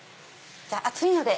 じゃあ熱いので。